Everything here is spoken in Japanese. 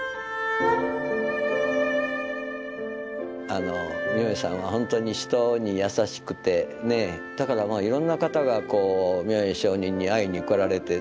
あの明恵さんはほんとに人に優しくてねえだからまあいろんな方がこう明恵上人に会いに来られて。